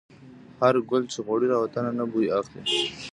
هر ګل چې غوړي، له وطن نه بوی اخلي